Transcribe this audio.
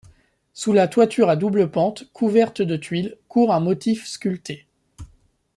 Sous la toiture à double pente, couverte de tuiles, court un motif sculpté.